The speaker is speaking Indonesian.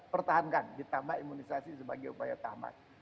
pertahankan ditambah imunisasi sebagai upaya tamat